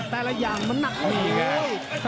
แต่ละอย่างมันหนัก